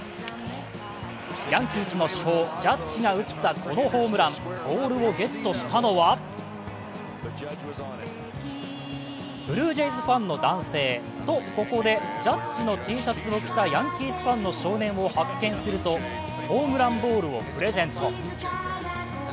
ヤンキースの主砲・ジャッジが打ったこのホームラン、ボールをゲットしたのはブルージェイズファンの男性とここでジャッジのＴシャツを着たヤンキースファンの少年を発見するとホームランボールをプレゼント。